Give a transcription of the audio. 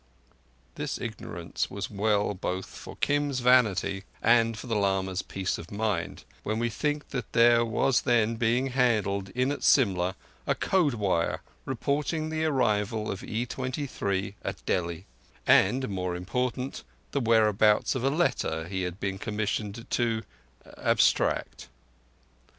This ignorance was well both for Kim's vanity and for the lama's peace of mind, when we think that there was then being handed in at Simla a code wire reporting the arrival of E23 at Delhi, and, more important, the whereabouts of a letter he had been commissioned to—abstract.